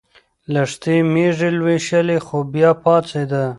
لښتې مېږې لوشلې خو بیا پاڅېده.